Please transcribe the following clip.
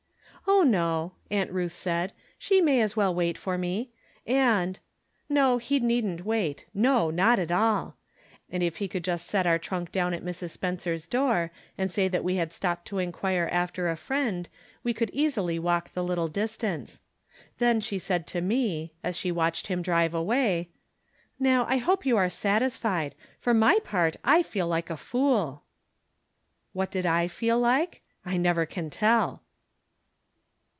"Oh, no," Aunt Ruth said; "she may as well wait for me. And "— ^no, he needn't wait ; oh, not at all. If he would just set our trunk down at Mrs. Spencer's door, and say that we had stopped to inquire after a friend, we could easily walk the little distance. Then she said to me, as she watched him drive away :" Now, I hope you are satisfied. For my part, I feel like a fool." From Different Standpoints. 63 Wtat did I feel like ? I never can tell.